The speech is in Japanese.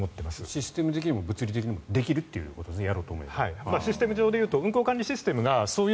システム的にも物理的にもできるということですねやろうと思えば。